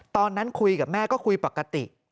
ตอนนั้นคุยกับแม่ก็คุยปกติ